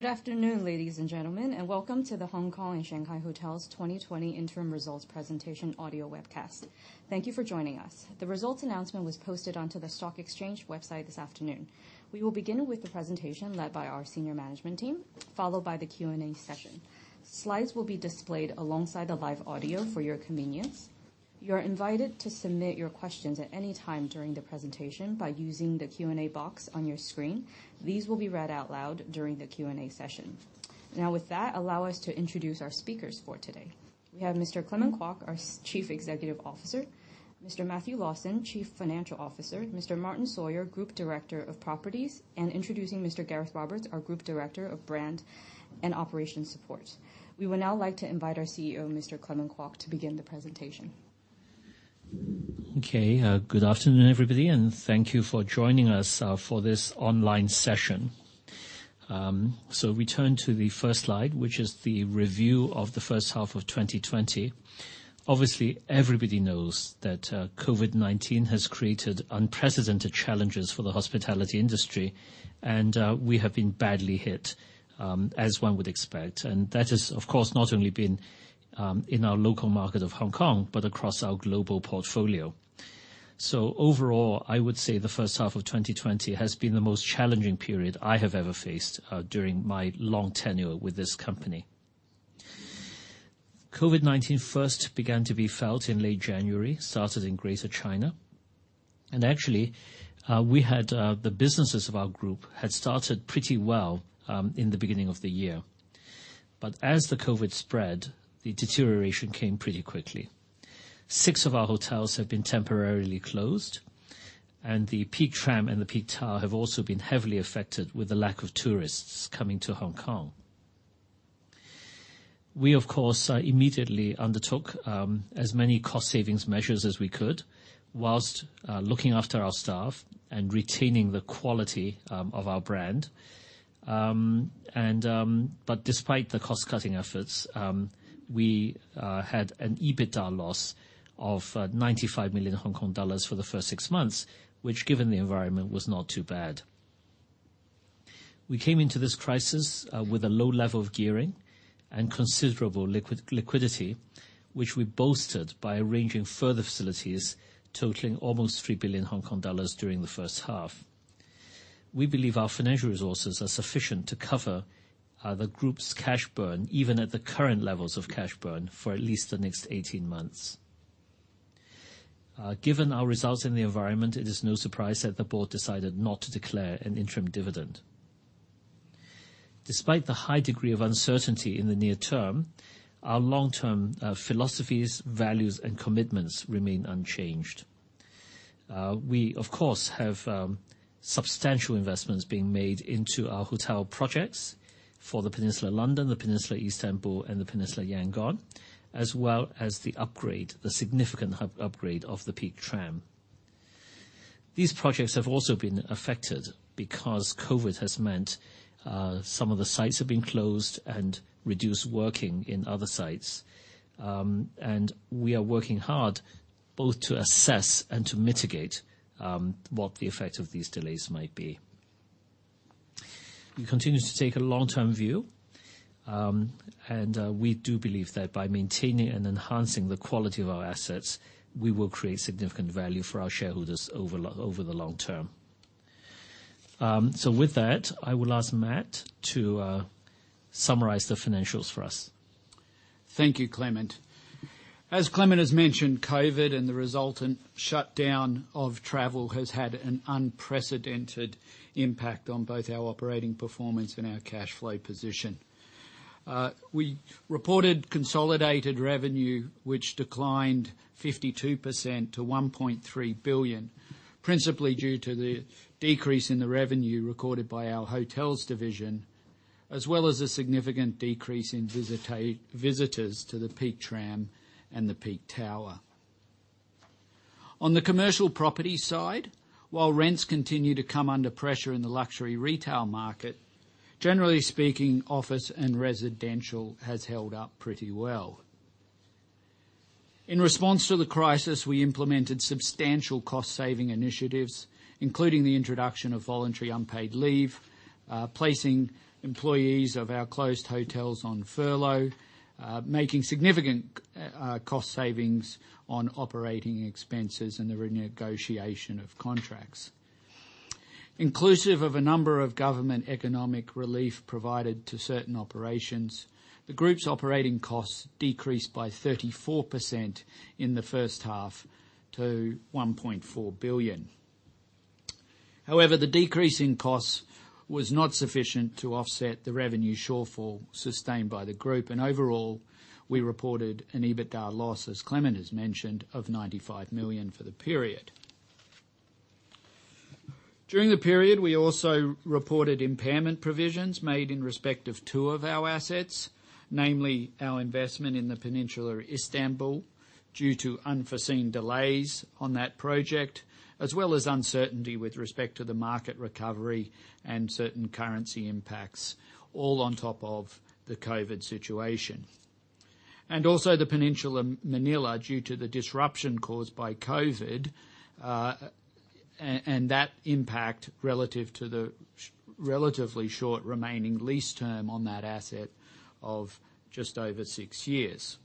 Good afternoon, ladies and gentlemen, welcome to The Hongkong and Shanghai Hotels 2020 Interim Results Presentation audio webcast. Thank you for joining us. The results announcement was posted onto the stock exchange website this afternoon. We will begin with the presentation led by our senior management team, followed by the Q&A session. Slides will be displayed alongside the live audio for your convenience. You're invited to submit your questions at any time during the presentation by using the Q&A box on your screen. These will be read out loud during the Q&A session. With that, allow us to introduce our speakers for today. We have Mr. Clement Kwok, our Chief Executive Officer, Mr. Matthew Lawson, Chief Financial Officer, Mr. Martyn Sawyer, Group Director of Properties, and introducing Mr. Gareth Roberts, our Group Director of Brand and Operation Support. We would now like to invite our CEO, Mr. Clement Kwok, to begin the presentation. Good afternoon, everybody, thank you for joining us for this online session. We turn to the first slide, which is the review of the first half of 2020. Obviously, everybody knows that COVID-19 has created unprecedented challenges for the hospitality industry, we have been badly hit, as one would expect. That has, of course, not only been in our local market of Hong Kong, but across our global portfolio. Overall, I would say the first half of 2020 has been the most challenging period I have ever faced during my long tenure with this company. COVID-19 first began to be felt in late January, started in Greater China. Actually, the businesses of our group had started pretty well in the beginning of the year. But as the COVID spread, the deterioration came pretty quickly. Six of our hotels have been temporarily closed, and the Peak Tram and the Peak Tower have also been heavily affected with the lack of tourists coming to Hong Kong. We, of course, immediately undertook as many cost savings measures as we could whilst looking after our staff and retaining the quality of our brand. Despite the cost-cutting efforts, we had an EBITDA loss of 95 million Hong Kong dollars for the first six months, which given the environment, was not too bad. We came into this crisis with a low level of gearing and considerable liquidity, which we bolstered by arranging further facilities totaling almost 3 billion Hong Kong dollars during the first half. We believe our financial resources are sufficient to cover the group's cash burn, even at the current levels of cash burn, for at least the next 18 months. Given our results in the environment, it is no surprise that the board decided not to declare an interim dividend. Despite the high degree of uncertainty in the near term, our long-term philosophies, values, and commitments remain unchanged. We, of course, have substantial investments being made into our hotel projects for The Peninsula London, The Peninsula Istanbul, and The Peninsula Yangon, as well as the upgrade, the significant upgrade of the Peak Tram. These projects have also been affected because COVID has meant some of the sites have been closed and reduced working in other sites. We are working hard both to assess and to mitigate what the effect of these delays might be. We continue to take a long-term view, and we do believe that by maintaining and enhancing the quality of our assets, we will create significant value for our shareholders over the long term. With that, I will ask Matthew to summarize the financials for us. Thank you, Clement. As Clement has mentioned, COVID-19 and the resultant shutdown of travel has had an unprecedented impact on both our operating performance and our cash flow position. We reported consolidated revenue, which declined 52% to 1.3 billion, principally due to the decrease in the revenue recorded by our hotels division, as well as a significant decrease in visitors to the Peak Tram and The Peak Tower. On the commercial property side, while rents continue to come under pressure in the luxury retail market, generally speaking, office and residential has held up pretty well. In response to the crisis, we implemented substantial cost-saving initiatives, including the introduction of voluntary unpaid leave, placing employees of our closed hotels on furlough, making significant cost savings on operating expenses and the renegotiation of contracts. Inclusive of a number of government economic relief provided to certain operations, the group's operating costs decreased by 34% in the first half to 1.4 billion. However, the decrease in costs was not sufficient to offset the revenue shortfall sustained by the group. Overall, we reported an EBITDA loss, as Clement has mentioned, of 95 million for the period. During the period, we also reported impairment provisions made in respect of two of our assets, namely our investment in The Peninsula Istanbul, due to unforeseen delays on that project, as well as uncertainty with respect to the market recovery and certain currency impacts, all on top of the COVID-19 situation. Also, The Peninsula Manila, due to the disruption caused by COVID-19, and that impact relative to the relatively short remaining lease term on that asset of just over six years.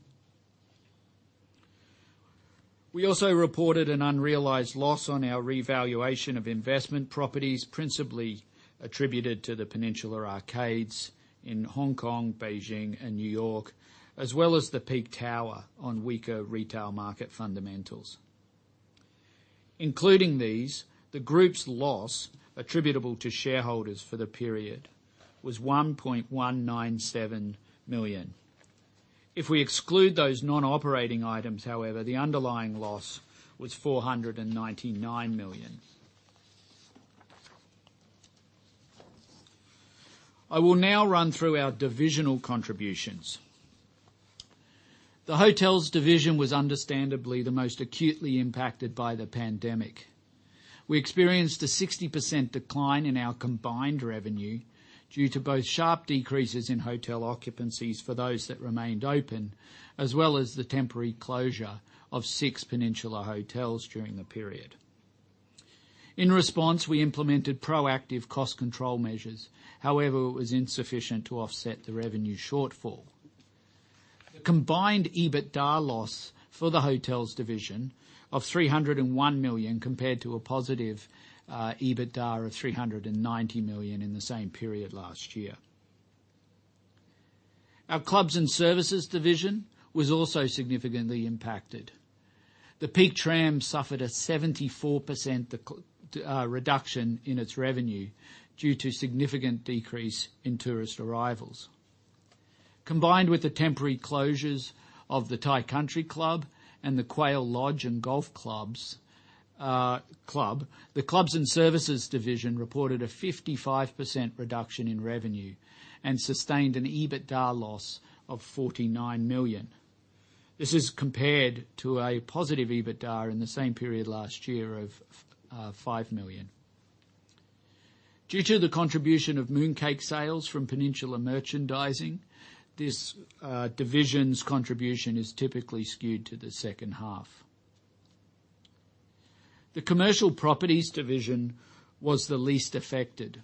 We also reported an unrealized loss on our revaluation of investment properties, principally attributed to The Peninsula Arcades in Hong Kong, Beijing, and New York, as well as The Peak Tower on weaker retail market fundamentals. Including these, the group's loss attributable to shareholders for the period was 1.197 million. If we exclude those non-operating items, however, the underlying loss was 499 million. I will now run through our divisional contributions. The Hotels division was understandably the most acutely impacted by the pandemic. We experienced a 60% decline in our combined revenue due to both sharp decreases in hotel occupancies for those that remained open, as well as the temporary closure of six Peninsula Hotels during the period. In response, we implemented proactive cost control measures. However, it was insufficient to offset the revenue shortfall. The combined EBITDA loss for the Hotels Division of 301 million compared to a positive EBITDA of 390 million in the same period last year. Our Clubs and Services Division was also significantly impacted. The Peak Tram suffered a 74% reduction in its revenue due to a significant decrease in tourist arrivals. Combined with the temporary closures of the Thai Country Club and the Quail Lodge & Golf Club, the Clubs and Services Division reported a 55% reduction in revenue and sustained an EBITDA loss of 49 million. This is compared to a positive EBITDA in the same period last year of 5 million. Due to the contribution of mooncake sales from Peninsula Merchandising, this division's contribution is typically skewed to the second half. The Commercial Properties Division was the least affected.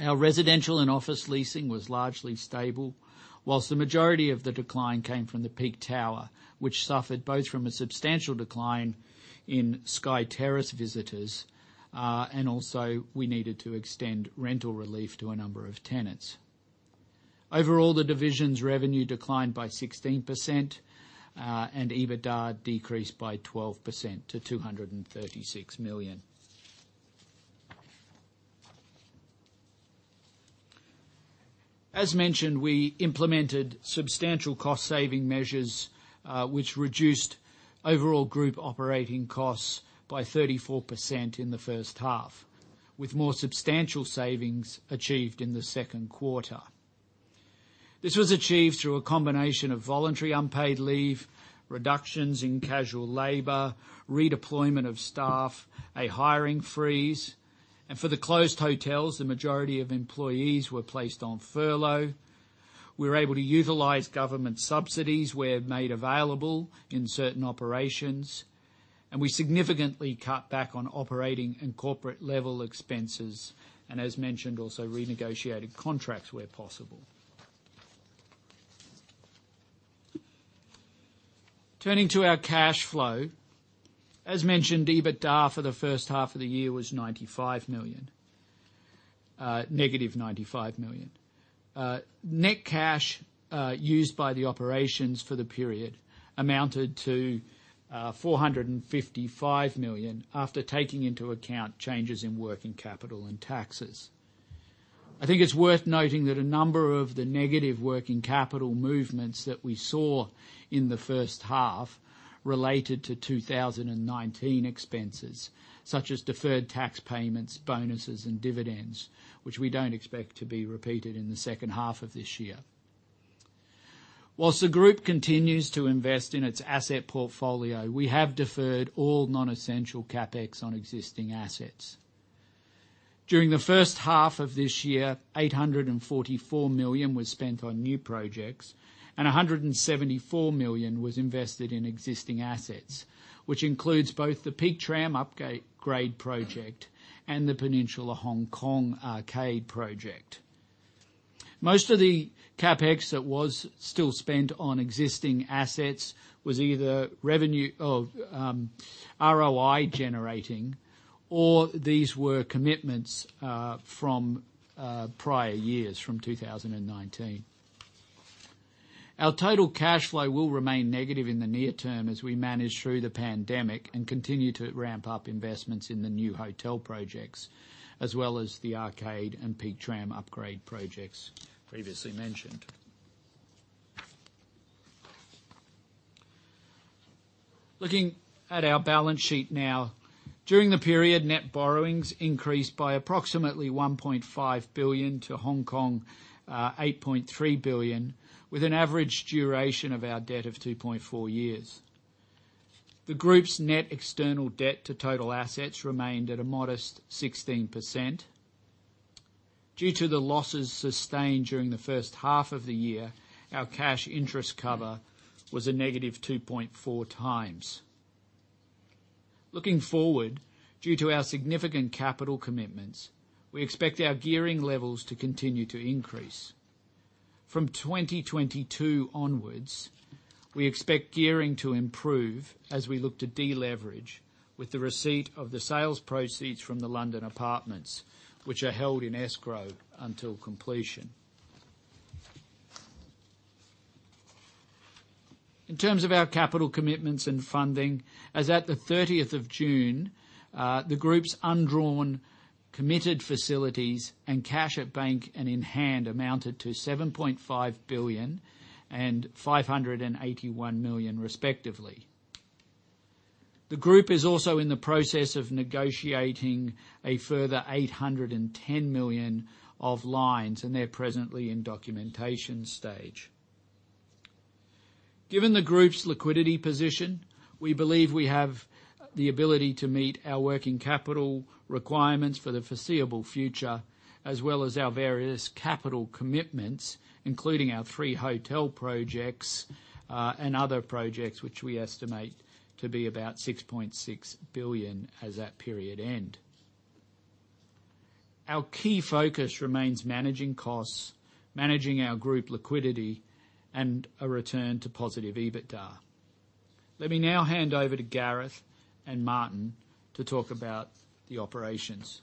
Our residential and office leasing was largely stable, while the majority of the decline came from The Peak Tower, which suffered both from a substantial decline in Sky Terrace 428 visitors, and also we needed to extend rental relief to a number of tenants. Overall, the division's revenue declined by 16%, and EBITDA decreased by 12% to 236 million. As mentioned, we implemented substantial cost-saving measures, which reduced overall group operating costs by 34% in the first half, with more substantial savings achieved in the second quarter. This was achieved through a combination of voluntary unpaid leave, reductions in casual labor, redeployment of staff, a hiring freeze, and for the closed hotels, the majority of employees were placed on furlough. We were able to utilize government subsidies where made available in certain operations, and we significantly cut back on operating and corporate-level expenses, and as mentioned, also renegotiated contracts where possible. Turning to our cash flow. As mentioned, EBITDA for the first half of the year was 95 million. -95 million. Net cash used by the operations for the period amounted to 455 million after taking into account changes in working capital and taxes. I think it's worth noting that a number of the negative working capital movements that we saw in the first half related to 2019 expenses, such as deferred tax payments, bonuses, and dividends, which we don't expect to be repeated in the second half of this year. Whilst the group continues to invest in its asset portfolio, we have deferred all non-essential CapEx on existing assets. During the first half of this year, 844 million was spent on new projects, and 174 million was invested in existing assets, which includes both the Peak Tram upgrade project and the Peninsula Hong Kong Arcade project. Most of the CapEx that was still spent on existing assets was either revenue of, ROI generating, or these were commitments from prior years, from 2019. Our total cash flow will remain negative in the near term as we manage through the pandemic and continue to ramp up investments in the new hotel projects, as well as the Arcade and Peak Tram upgrade projects previously mentioned. Looking at our balance sheet now. During the period, net borrowings increased by approximately 1.5 billion to 8.3 billion, with an average duration of our debt of 2.4 years. The group's net external debt to total assets remained at a modest 16%. Due to the losses sustained during the first half of the year, our cash interest cover was a -2.4x. Looking forward, due to our significant capital commitments, we expect our gearing levels to continue to increase. From 2022 onwards, we expect gearing to improve as we look to deleverage with the receipt of the sales proceeds from the London apartments, which are held in escrow until completion. In terms of our capital commitments and funding, as at the 30th of June, the group's undrawn committed facilities and cash at bank and in hand amounted to 7.5 billion and 581 million respectively. The group is also in the process of negotiating a further 810 million of lines, and they're presently in documentation stage. Given the group's liquidity position, we believe we have the ability to meet our working capital requirements for the foreseeable future, as well as our various capital commitments, including our three hotel projects, and other projects, which we estimate to be about 6.6 billion as at period end. Our key focus remains managing costs, managing our group liquidity, and a return to positive EBITDA. Let me now hand over to Gareth and Martyn to talk about the operations.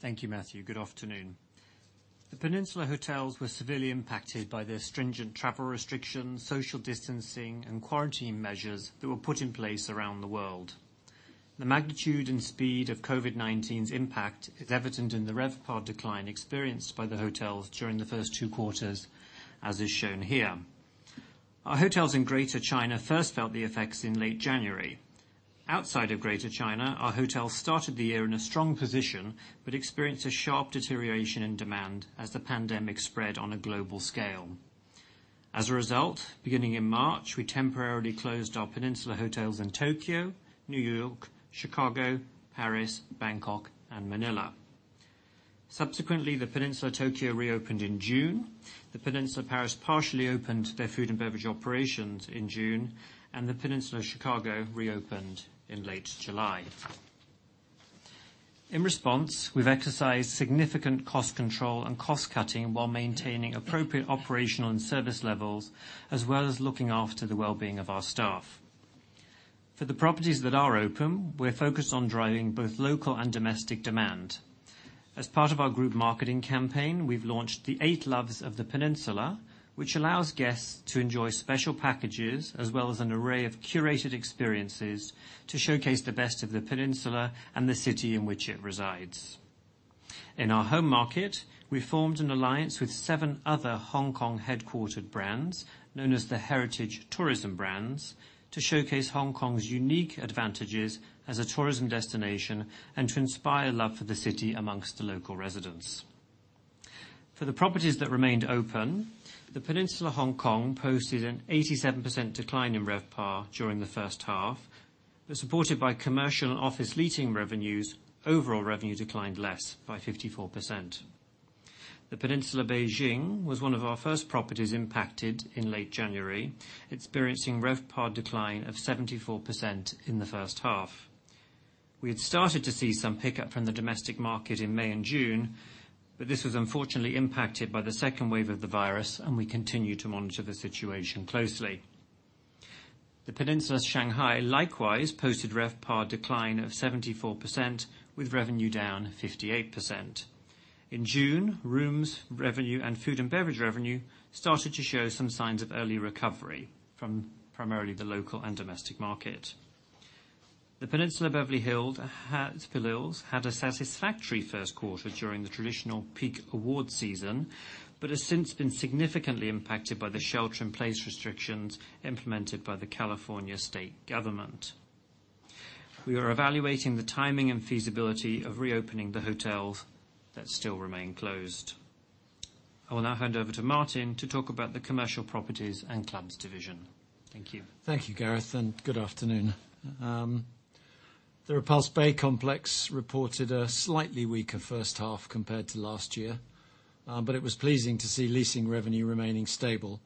Thank you, Matthew. Good afternoon. The Peninsula Hotels were severely impacted by the stringent travel restrictions, social distancing, and quarantine measures that were put in place around the world. The magnitude and speed of COVID-19's impact is evident in the RevPAR decline experienced by the hotels during the first two quarters, as is shown here. Our hotels in Greater China first felt the effects in late January. Outside of Greater China, our hotels started the year in a strong position, but experienced a sharp deterioration in demand as the pandemic spread on a global scale. As a result, beginning in March, we temporarily closed our Peninsula Hotels in Tokyo, New York, Chicago, Paris, Bangkok, and Manila. Subsequently, The Peninsula Tokyo reopened in June. The Peninsula Paris partially opened their food and beverage operations in June. The Peninsula Chicago reopened in late July. In response, we've exercised significant cost control and cost-cutting while maintaining appropriate operational and service levels, as well as looking after the well-being of our staff. For the properties that are open, we're focused on driving both local and domestic demand. As part of our group marketing campaign, we've launched The Eight Loves of The Peninsula, which allows guests to enjoy special packages as well as an array of curated experiences to showcase the best of The Peninsula and the Citi in which it resides. In our home market, we formed an alliance with seven other Hong Kong headquartered brands, known as the Heritage Tourism Brands, to showcase Hong Kong's unique advantages as a tourism destination, and to inspire love for the city amongst the local residents. For the properties that remained open, The Peninsula Hong Kong posted an 87% decline in RevPAR during the first half, but supported by commercial office leasing revenues, overall revenue declined less, by 54%. The Peninsula Beijing was one of our first properties impacted in late January, experiencing RevPAR decline of 74% in the first half. We had started to see some pickup from the domestic market in May and June, but this was unfortunately impacted by the second wave of the virus, and we continue to monitor the situation closely. The Peninsula Shanghai likewise posted RevPAR decline of 74%, with revenue down 58%. In June, rooms revenue and food and beverage revenue started to show some signs of early recovery from primarily the local and domestic market. The Peninsula Beverly Hills had a satisfactory first quarter during the traditional peak award season, but has since been significantly impacted by the shelter in place restrictions implemented by the California state government. We are evaluating the timing and feasibility of reopening the hotels that still remain closed. I will now hand over to Martyn to talk about the commercial properties and clubs division. Thank you. Thank you, Gareth, and good afternoon. The Repulse Bay Complex reported a slightly weaker first half compared to last year. It was pleasing to see leasing revenue remaining stable.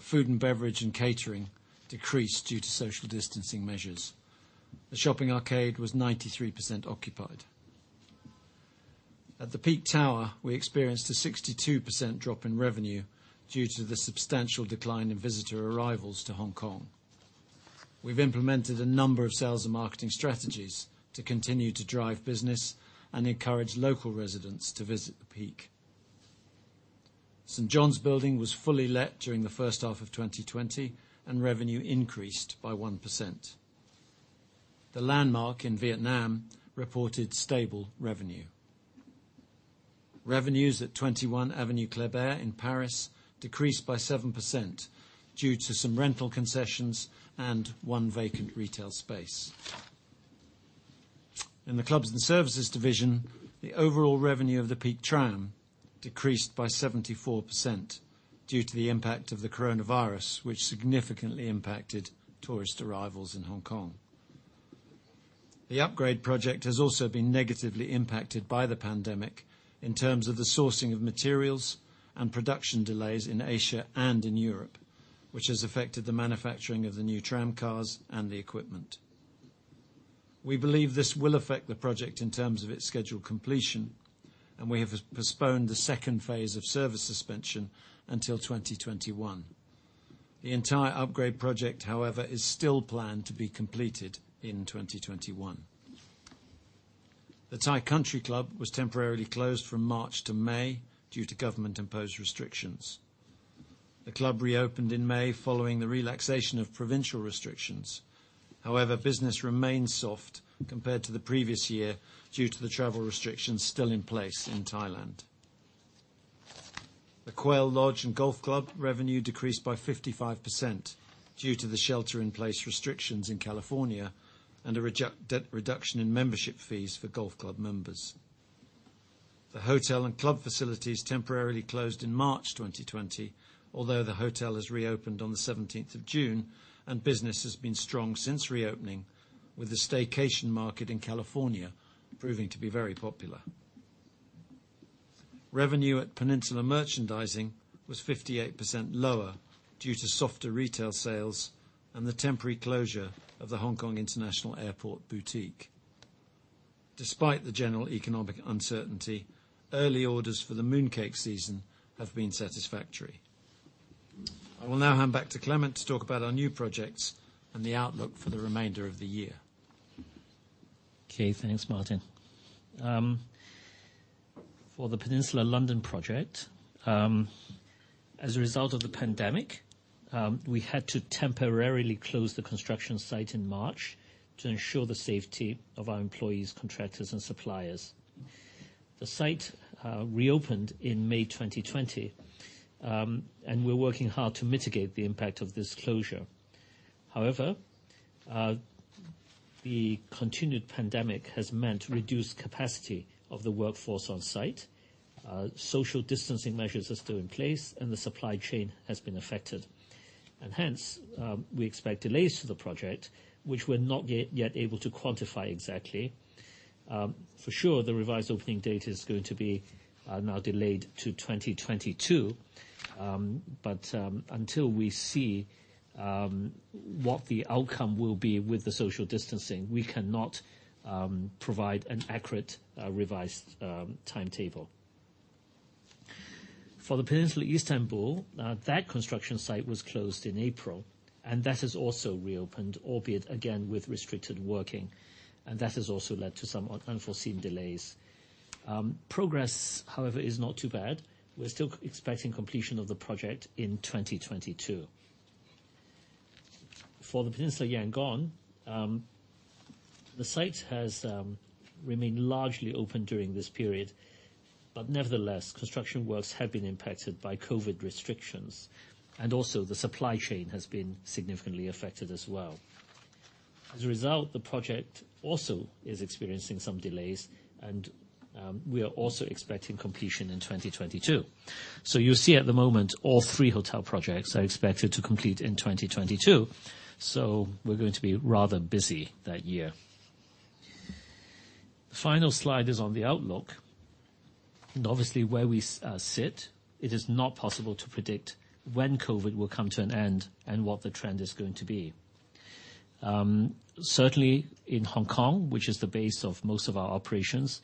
Food and beverage and catering decreased due to social distancing measures. The shopping arcade was 93% occupied. At The Peak Tower, we experienced a 62% drop in revenue due to the substantial decline in visitor arrivals to Hong Kong. We've implemented a number of sales and marketing strategies to continue to drive business and encourage local residents to visit The Peak. St. John's Building was fully let during the first half of 2020, and revenue increased by 1%. The Landmark in Vietnam reported stable revenue. Revenues at 21 avenue Kléber in Paris decreased by 7% due to some rental concessions and one vacant retail space. In the clubs and services division, the overall revenue of The Peak Tram decreased by 74% due to the impact of the coronavirus, which significantly impacted tourist arrivals in Hong Kong. The upgrade project has also been negatively impacted by the pandemic in terms of the sourcing of materials and production delays in Asia and in Europe, which has affected the manufacturing of the new tramcars and the equipment. We believe this will affect the project in terms of its scheduled completion, and we have postponed the second phase of service suspension until 2021. The entire upgrade project, however, is still planned to be completed in 2021. The Thai Country Club was temporarily closed from March to May due to government-imposed restrictions. The club reopened in May following the relaxation of provincial restrictions. However, business remains soft compared to the previous year due to the travel restrictions still in place in Thailand. The Quail Lodge & Golf Club revenue decreased by 55% due to the shelter-in-place restrictions in California and a reduction in membership fees for golf club members. The hotel and club facilities temporarily closed in March 2020, although the hotel has reopened on the 17th of June, and business has been strong since reopening, with the staycation market in California proving to be very popular. Revenue at Peninsula Merchandising was 58% lower due to softer retail sales and the temporary closure of the Hong Kong International Airport boutique. Despite the general economic uncertainty, early orders for the mooncake season have been satisfactory. I will now hand back to Clement to talk about our new projects and the outlook for the remainder of the year. Okay. Thanks, Martyn. For The Peninsula London project, as a result of the pandemic, we had to temporarily close the construction site in March to ensure the safety of our employees, contractors, and suppliers. The site reopened in May 2020, and we're working hard to mitigate the impact of this closure. However, the continued pandemic has meant reduced capacity of the workforce on site. Social distancing measures are still in place, and the supply chain has been affected. Hence, we expect delays to the project, which we're not yet able to quantify exactly. For sure, the revised opening date is going to be now delayed to 2022. But until we see what the outcome will be with the social distancing, we cannot provide an accurate revised timetable. For The Peninsula Istanbul, that construction site was closed in April, and that has also reopened, albeit, again, with restricted working, and that has also led to some unforeseen delays. Progress, however, is not too bad. We're still expecting completion of the project in 2022. For The Peninsula Yangon, the site has remained largely open during this period. Nevertheless, construction works have been impacted by COVID restrictions, and also the supply chain has been significantly affected as well. As a result, the project also is experiencing some delays, and we are also expecting completion in 2022. So, you see at the moment, all three hotel projects are expected to complete in 2022. So, we're going to be rather busy that year. The final slide is on the outlook. Obviously, where we sit, it is not possible to predict when COVID-19 will come to an end and what the trend is going to be. Certainly, in Hong Kong, which is the base of most of our operations,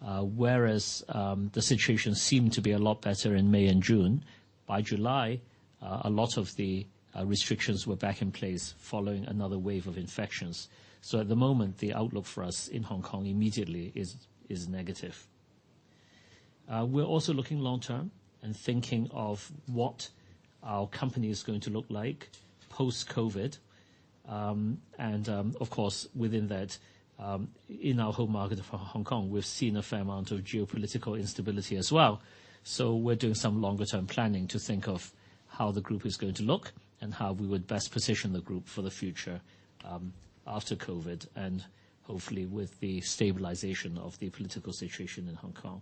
whereas the situation seemed to be a lot better in May and June, by July, a lot of the restrictions were back in place following another wave of infections. At the moment, the outlook for us in Hong Kong immediately is negative. We're also looking long-term and thinking of what our company is going to look like post-COVID-19. Of course, within that, in our home market of Hong Kong, we've seen a fair amount of geopolitical instability as well. So, we're doing some longer-term planning to think of how the group is going to look and how we would best position the group for the future, after COVID, and hopefully with the stabilization of the political situation in Hong Kong.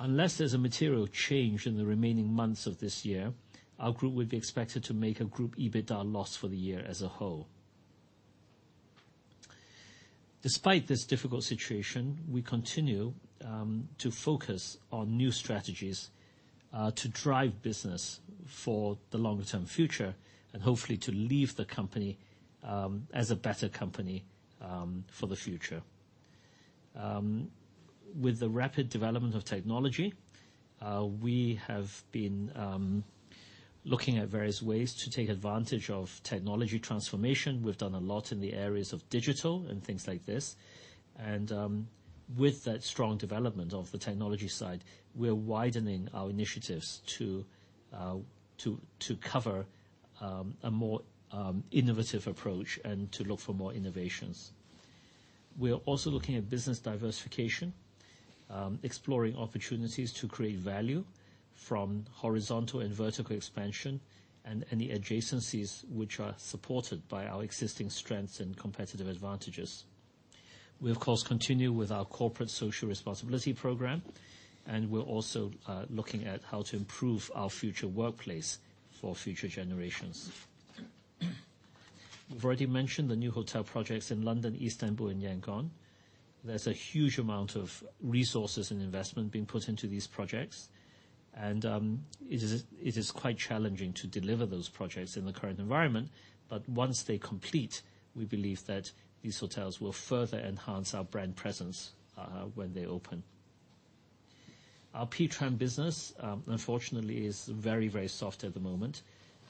Unless there's a material change in the remaining months of this year, our group would be expected to make a group EBITDA loss for the year as a whole. Despite this difficult situation, we continue to focus on new strategies to drive business for the longer-term future and hopefully to leave the company as a better company for the future. With the rapid development of technology, we have been looking at various ways to take advantage of technology transformation. We've done a lot in the areas of digital and things like this. With that strong development of the technology side, we are widening our initiatives to cover a more innovative approach and to look for more innovations. We are also looking at business diversification, exploring opportunities to create value from horizontal and vertical expansion and any adjacencies which are supported by our existing strengths and competitive advantages. We, of course, continue with our corporate social responsibility program, and we're also looking at how to improve our future workplace for future generations. We've already mentioned the new hotel projects in London, Istanbul, and Yangon. There's a huge amount of resources and investment being put into these projects. It is quite challenging to deliver those projects in the current environment. But once they complete, we believe that these hotels will further enhance our brand presence when they open. Our Peak Tram business, unfortunately, is very soft at the moment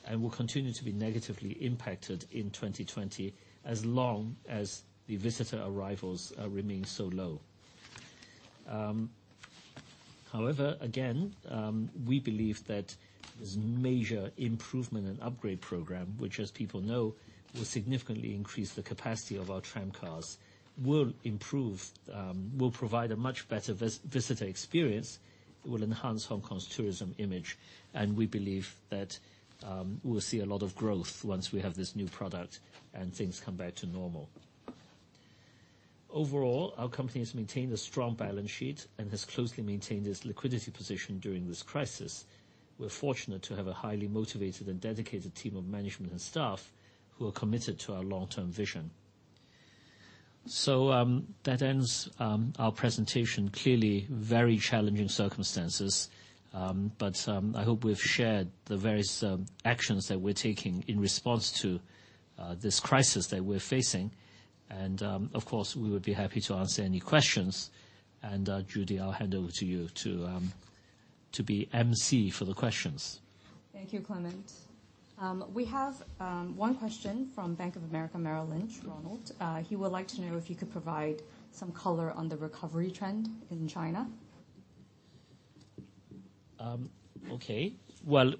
and will continue to be negatively impacted in 2020 as long as the visitor arrivals are remain so low. Again, we believe that this major improvement and upgrade program, which as people know, will significantly increase the capacity of our tramcars, will provide a much better visitor experience, will enhance Hong Kong's tourism image. We believe that we'll see a lot of growth once we have this new product and things come back to normal. Overall, our company has maintained a strong balance sheet and has closely maintained its liquidity position during this crisis. We're fortunate to have a highly motivated and dedicated team of management and staff who are committed to our long-term vision. So, that ends our presentation. Clearly, very challenging circumstances. But I hope we've shared the various actions that we're taking in response to this crisis that we're facing. Of course, we would be happy to answer any questions. Judy, I'll hand over to you to be emcee for the questions. Thank you, Clement. We have one question from Bank of America Merrill Lynch, Ronald. He would like to know if you could provide some color on the recovery trend in China. Okay. Well,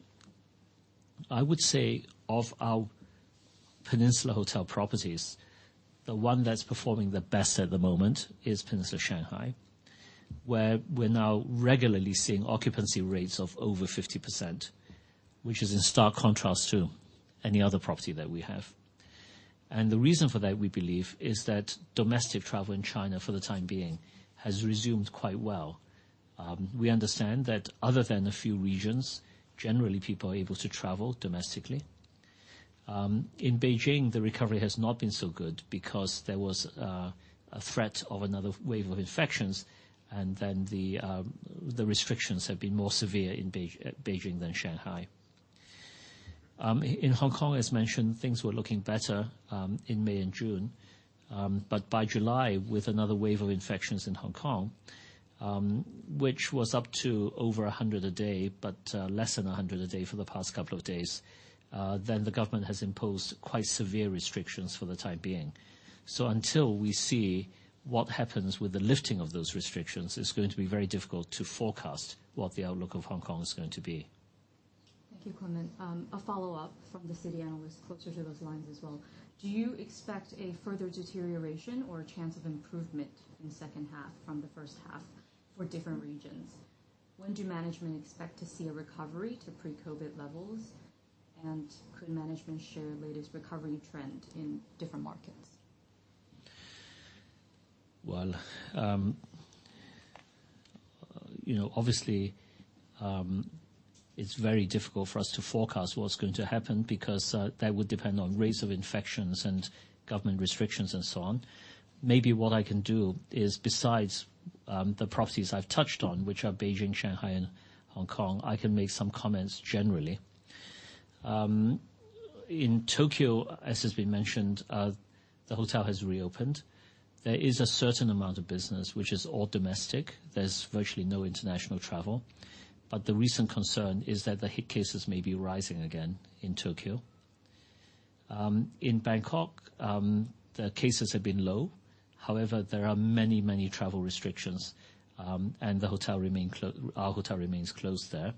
I would say of our Peninsula hotel properties, the one that's performing the best at the moment is Peninsula Shanghai, where we're now regularly seeing occupancy rates of over 50%, which is in stark contrast to any other property that we have. The reason for that, we believe, is that domestic travel in China, for the time being, has resumed quite well. We understand that other than a few regions, generally, people are able to travel domestically. In Beijing, the recovery has not been so good because there was a threat of another wave of infections and then the restrictions have been more severe in Beijing than Shanghai. In Hong Kong, as mentioned, things were looking better in May and June. But by July, with another wave of infections in Hong Kong, which was up to over 100 a day, but less than 100 a day for the past couple of days, the government has imposed quite severe restrictions for the time being. So, until we see what happens with the lifting of those restrictions, it's going to be very difficult to forecast what the outlook of Hong Kong is going to be. Thank you, Clement. A follow-up from the city analyst closer to those lines as well. Do you expect a further deterioration or a chance of improvement in the second half from the first half for different regions? When do management expect to see a recovery to pre-COVID-19 levels? Could management share latest recovery trend in different markets? Well, obviously, it's very difficult for us to forecast what's going to happen because that would depend on rates of infections and government restrictions and so on. Maybe what I can do is, besides the properties I've touched on, which are Beijing, Shanghai, and Hong Kong, I can make some comments generally. In Tokyo, as has been mentioned, the hotel has reopened. There is a certain amount of business, which is all domestic. There's virtually no international travel. The recent concern is that the hit cases may be rising again in Tokyo. In Bangkok, the cases have been low. However, there are many travel restrictions, and our hotel remains closed there.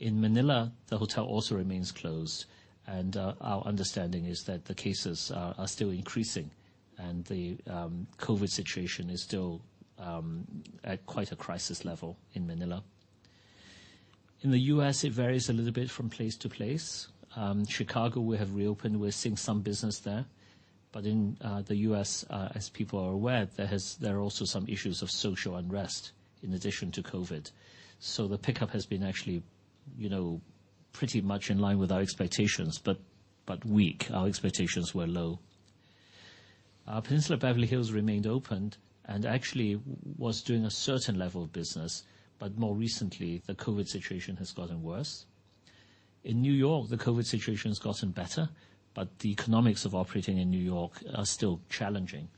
In Manila, the hotel also remains closed, and our understanding is that the cases are still increasing, and the COVID-19 situation is still at quite a crisis level in Manila. In the U.S., it varies a little bit from place to place. Chicago, we have reopened. We're seeing some business there. In the U.S., as people are aware, there are also some issues of social unrest in addition to COVID. So, the pickup has been actually pretty much in line with our expectations, but weak. Our expectations were low. Peninsula Beverly Hills remained opened and actually was doing a certain level of business, but more recently, the COVID situation has gotten worse. In New York, the COVID situation has gotten better, but the economics of operating in New York are still challenging.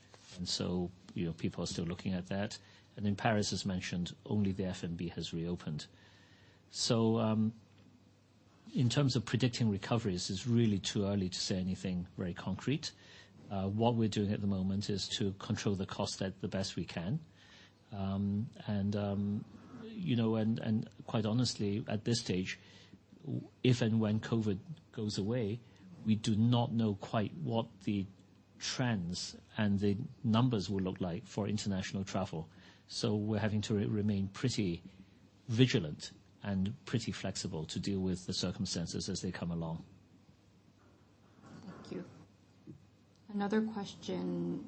People are still looking at that. In Paris, as mentioned, only the F&B has reopened. In terms of predicting recoveries, it's really too early to say anything very concrete. What we're doing at the moment is to control the cost the best we can. Quite honestly, at this stage, even when COVID-19 goes away, we do not know quite what the trends and the numbers will look like for international travel. We're having to remain pretty vigilant and pretty flexible to deal with the circumstances as they come along. Thank you. Another question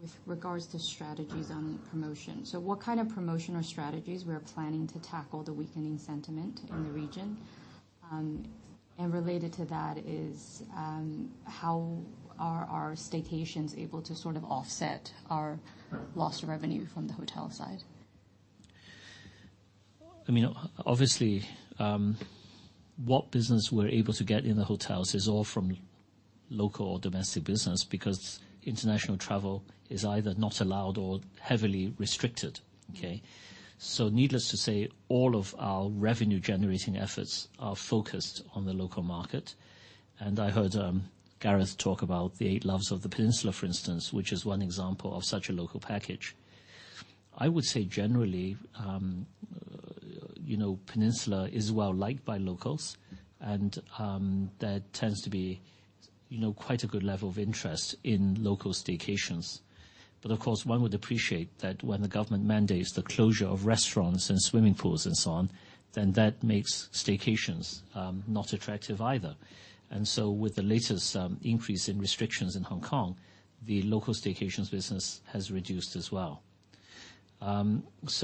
with regards to strategies on promotion. What kind of promotional strategies we are planning to tackle the weakening sentiment in the region? Related to that is, how are our staycations able to sort of offset our loss of revenue from the hotel side? Obviously, what business we are able to get in the hotels is all from local or domestic business, because international travel is either not allowed or heavily restricted. Okay? So needless to say, all of our revenue generating efforts are focused on the local market. I heard Gareth talk about The Eight Loves of The Peninsula, for instance, which is one example of such a local package. I would say generally, Peninsula is well-liked by locals, and there tends to be quite a good level of interest in local staycations. But of course, one would appreciate that when the government mandates the closure of restaurants and swimming pools and so on, then that makes staycations not attractive either. With the latest increase in restrictions in Hong Kong, the local staycations business has reduced as well. Yes,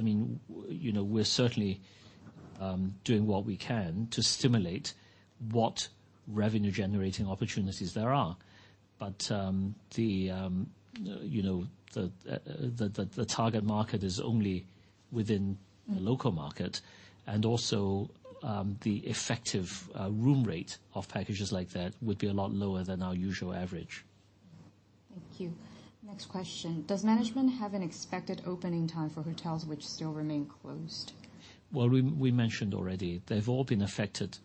we're certainly doing what we can to stimulate what revenue generating opportunities there are. But the target market is only within the local market, and also, the effective room rate of packages like that would be a lot lower than our usual average. Thank you. Next question. Does management have an expected opening time for hotels which still remain closed? Well, we mentioned already, they've all been affected.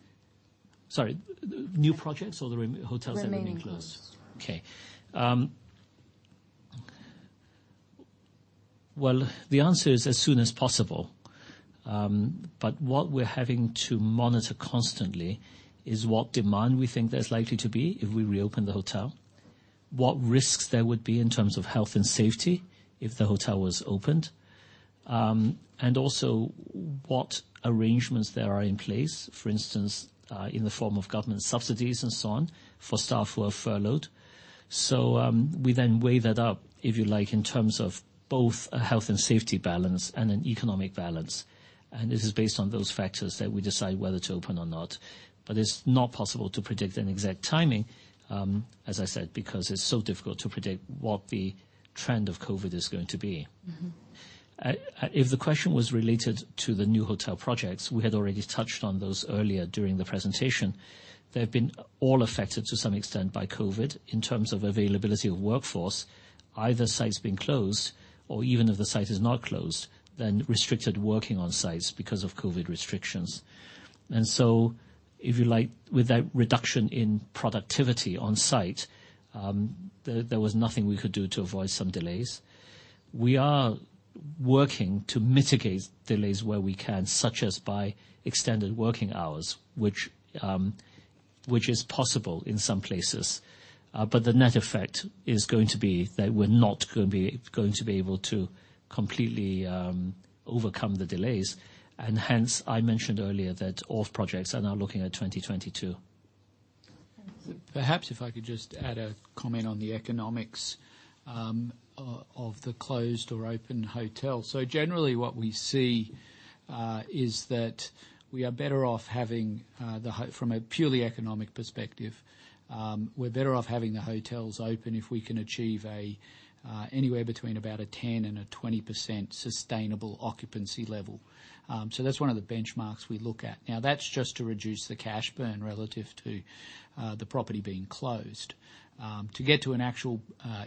Sorry, new projects or the hotels that remain closed? Remain closed. Okay. Well, the answer is as soon as possible. What we're having to monitor constantly is what demand we think there's likely to be if we reopen the hotel, what risks there would be in terms of health and safety if the hotel was opened, and also what arrangements there are in place, for instance, in the form of government subsidies and so on, for staff who are furloughed. We then weigh that up, if you like, in terms of both a health and safety balance and an economic balance. It is based on those factors that we decide whether to open or not. But it's not possible to predict an exact timing, as I said, because it's so difficult to predict what the trend of COVID-19 is going to be. If the question was related to the new hotel projects, we had already touched on those earlier during the presentation. They've been all affected, to some extent, by COVID-19 in terms of availability of workforce, either sites being closed or even if the site is not closed, then restricted working on sites because of COVID-19 restrictions. If you like, with that reduction in productivity on site, there was nothing we could do to avoid some delays. We are working to mitigate delays where we can, such as by extended working hours, which is possible in some places. The net effect is going to be that we're not going to be able to completely overcome the delays. Hence, I mentioned earlier that all projects are now looking at 2022. Thank you. Perhaps if I could just add a comment on the economics of the closed or open hotel. Generally what we see is that we are better off having, from a purely economic perspective, we're better off having the hotels open if we can achieve anywhere between about a 10% and a 20% sustainable occupancy level. That's one of the benchmarks we look at. Now, that's just to reduce the cash burn relative to the property being closed. To get to an actual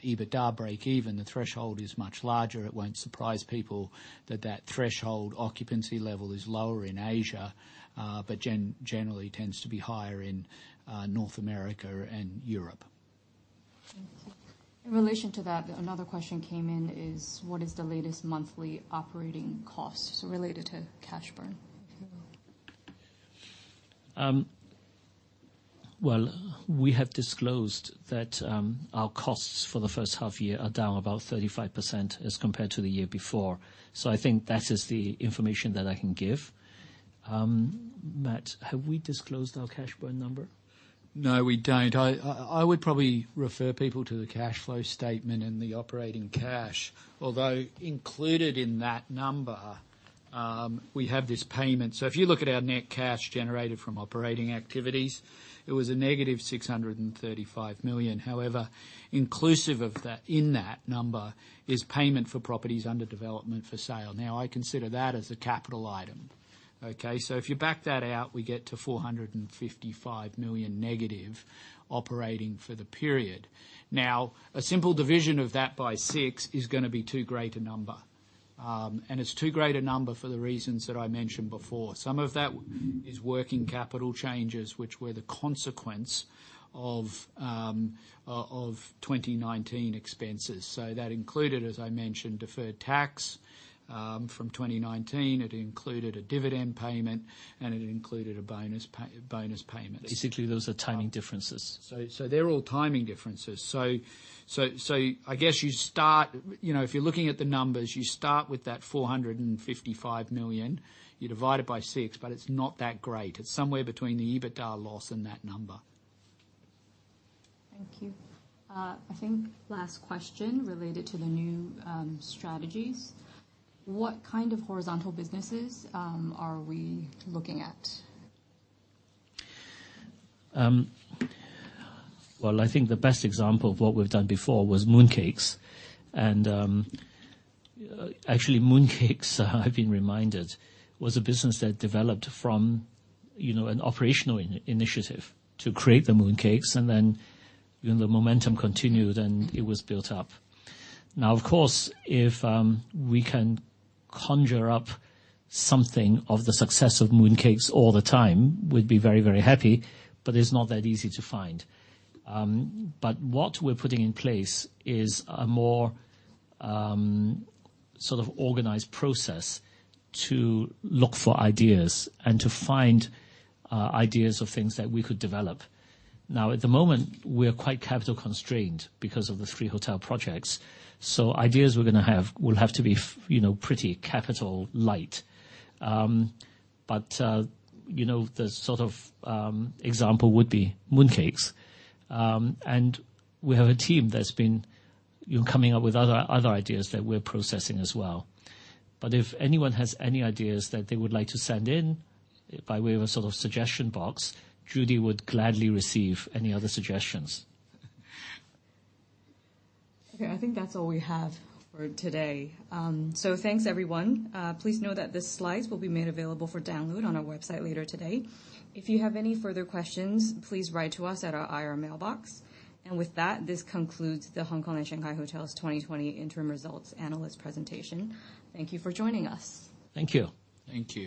EBITDA break even, the threshold is much larger. It won't surprise people that that threshold occupancy level is lower in Asia, but generally tends to be higher in North America and Europe. Thank you. In relation to that, another question came in is, what is the latest monthly operating costs related to cash burn? Well, we have disclosed that our costs for the first half year are down about 35% as compared to the year before. I think that is the information that I can give. Matthew, have we disclosed our cash burn number? No, we don't. I would probably refer people to the cash flow statement and the operating cash. Although included in that number, we have this payment. If you look at our net cash generated from operating activities, it was a -635 million. However, inclusive in that number is payment for properties under development for sale. I consider that as a capital item. Okay? If you back that out, we get to 455 million negative operating for the period. Now, a simple division of that by six is going to be too great a number. It's too great a number for the reasons that I mentioned before. Some of that is working capital changes, which were the consequence of 2019 expenses. That included, as I mentioned, deferred tax from 2019. It included a dividend payment, and it included a bonus payment. Basically, those are timing differences. They're all timing differences. I guess if you're looking at the numbers, you start with that 455 million, you divide it by six, but it's not that great. It's somewhere between the EBITDA loss and that number. Thank you. I think last question related to the new strategies. What kind of horizontal businesses are we looking at? Well, I think the best example of what we've done before was mooncakes. Actually, mooncakes, I've been reminded, was a business that developed from an operational initiative to create the mooncakes, and then the momentum continued, and it was built up. Now, of course, if we can conjure up something of the success of mooncakes all the time, we'd be very happy, but it's not that easy to find. But what we're putting in place is a more organized process to look for ideas and to find ideas of things that we could develop. Now at the moment, we are quite capital constrained because of the three hotel projects. Ideas we're going to have will have to be pretty capital light. The example would be mooncakes. We have a team that's been coming up with other ideas that we're processing as well. If anyone has any ideas that they would like to send in, by way of a suggestion box, Judy would gladly receive any other suggestions. Okay. I think that's all we have for today. Thanks, everyone. Please know that the slides will be made available for download on our website later today. If you have any further questions, please write to us at our IR mailbox. With that, this concludes The Hongkong and Shanghai Hotels 2020 interim results analyst presentation. Thank you for joining us. Thank you. Thank you.